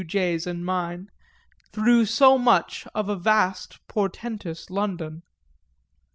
J.'s and mine, through so much of a vast portentous London.